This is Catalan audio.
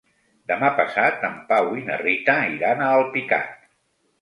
Demà passat en Pau i na Rita iran a Alpicat.